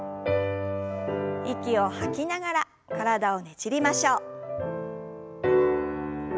息を吐きながら体をねじりましょう。